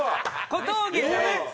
小峠じゃないです。